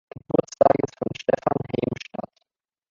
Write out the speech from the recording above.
Geburtstages von Stefan Heym statt.